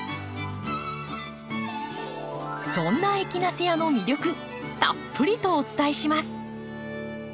そんなエキナセアの魅力たっぷりとお伝えします。